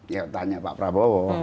ya tanya pak prabowo